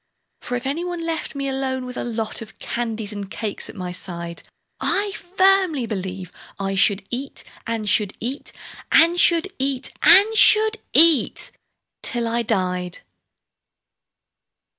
For if any one left me alone with a lot Of candies and cakes at my side, I firmly believe I should eat, and should eat, And should eat, and should eat, till I died.